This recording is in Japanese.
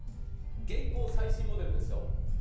現行最新モデルですよ。